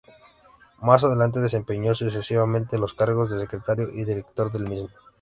Más adelante desempeñó, sucesivamente, los cargos de Secretario y Director del mismo.